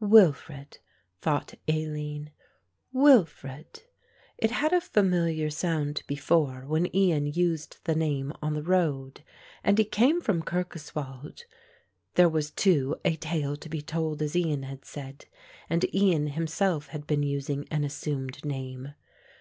"Wilfred," thought Aline; "Wilfred"; it had a familiar sound before, when Ian used the name on the road: and he came from Kirkoswald, there was too a tale to be told as Ian had said, and Ian himself had been using an assumed name.